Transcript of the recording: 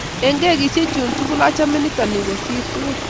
Eng kekisiek chu tugul achame nito ni kosir tugul